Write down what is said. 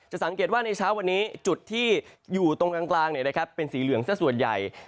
สังเกตว่าในเช้าวันนี้จุดที่อยู่ตรงกลางเป็นสีเหลืองซะส่วนใหญ่